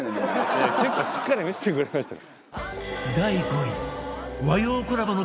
いや結構しっかり見せてくれましたよ。